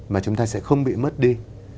mà chúng ta sẽ không bị mất đi